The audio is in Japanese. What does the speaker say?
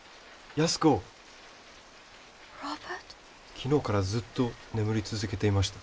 昨日からずっと眠り続けていました。